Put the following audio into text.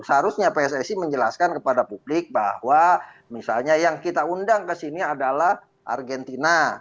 seharusnya pssi menjelaskan kepada publik bahwa misalnya yang kita undang ke sini adalah argentina